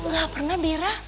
gak pernah bira